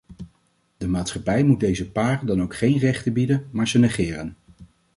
De maatschappij moet deze paren dan ook geen rechten bieden, maar ze negeren.